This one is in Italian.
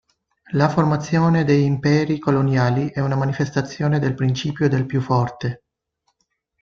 La formazione degli imperi coloniali è una manifestazione del principio del più forte.